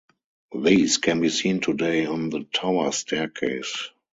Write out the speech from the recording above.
These can be seen today on the tower staircase.